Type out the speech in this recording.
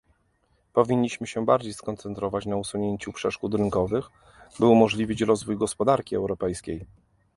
Powinniśmy się bardziej skoncentrować na usunięciu przeszkód rynkowych, by umożliwić rozwój gospodarki europejskiej